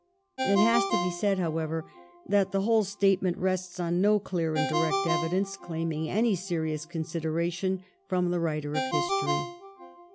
It has to be said, however, that the whole statement rests on no clear and direct evidence claiming any serious consideration from the writer of history.